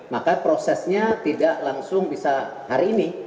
maka prosesnya tidak langsung bisa hari ini